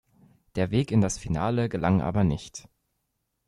Der Weg in das Finale gelang aber nicht.